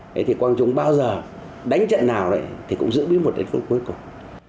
thế thì quang trung bao giờ đánh trận nào đấy thì cũng giữ bí mật đến phút cuối cùng